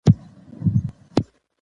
ولې دا ګټور بلل کېږي؟